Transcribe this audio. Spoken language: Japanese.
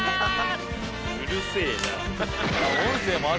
「うるせえな」